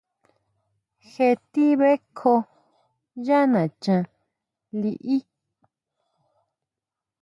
Jé ti bʼekjoo yá nachán liʼí.